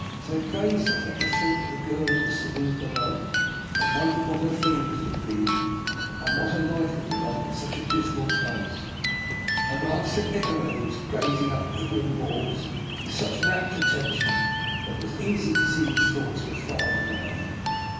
As I gazed at it, I thought of the girl in the saloon below, and wondered what her feelings would be, and what her life would be like, in such a dismal place. I glanced at Nikola, who was gazing up at the grim walls with such rapt attention that it was easily seen his thoughts were far away.